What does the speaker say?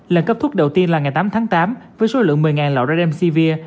lần cấp thuốc đầu tiên là ngày tám tháng tám với số lượng một mươi loại rademsevir